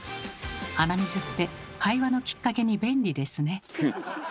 鼻水って会話のきっかけに便利ですね。